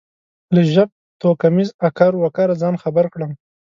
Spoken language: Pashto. له ژبتوکمیز اکر و کره ځان خبر کړم.